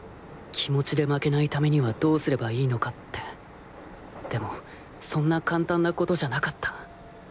気持ちで負けないためにはどうすればいいのかってでもそんな簡単なことじゃなかった。